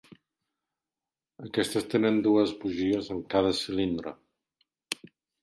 Aquests tenen dues bugies en cada cilindre.